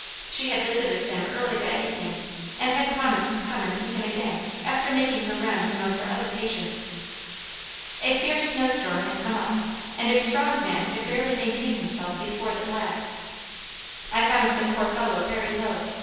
She had visited him early that evening, and had promised to come and see him again after making her rounds among her other patients. A fierce snow storm had come up and a strong man could barely maintain himself before the blast. I found the poor fellow very low.